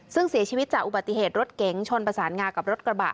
ซึ่งเสียชีวิตจากอุบัติเหตุรถเก๋งชนประสานงากับรถกระบะ